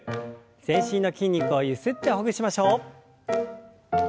全身の筋肉をゆすってほぐしましょう。